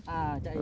à chạy rồi